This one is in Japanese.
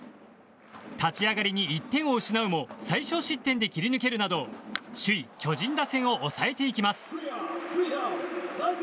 立ち上がりに１点を失うも最少失点で切り抜けるなど首位、巨人打線を抑えていきます。